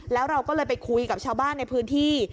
แล้วเราก็เลยไปคุยกับชาวบ้านในพื้นที่